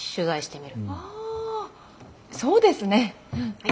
あそうですね。はい。